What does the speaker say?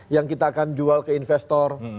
yang kita akan jual ke investor